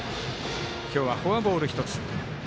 今日はフォアボール１つ。